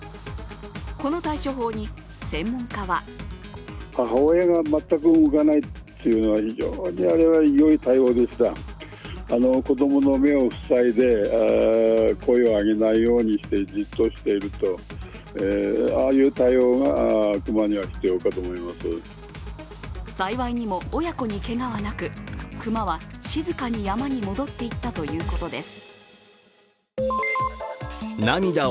この対処法に専門家は幸いにも親子にけがはなく、熊は静かに山に戻っていったということです。